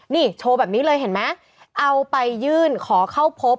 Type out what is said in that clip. นี่โชว์แบบนี้เลยเห็นไหมเอาไปยื่นขอเข้าพบ